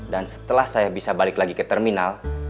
dan setelah saya bisa balik lagi ke terminal